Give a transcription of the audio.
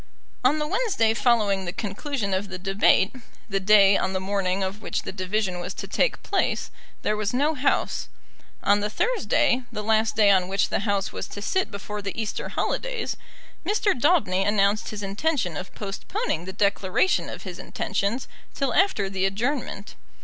On the Wednesday following the conclusion of the debate, the day on the morning of which the division was to take place, there was no House. On the Thursday, the last day on which the House was to sit before the Easter holidays, Mr. Daubeny announced his intention of postponing the declaration of his intentions till after the adjournment.